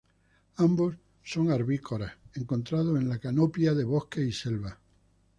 Ambos son arborícolas, encontrados en la canopia de bosques y selvas.